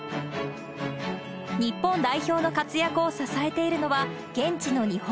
日本代表の活躍を支えているのは、頑張れ日本。